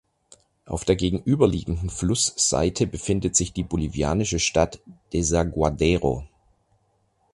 Auf der gegenüberliegenden Flussseite befindet sich die bolivianische Stadt Desaguadero.